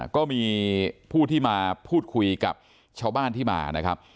ก็มีผู้ที่มาพูดคุยกับชาวบ้านที่มานะครับ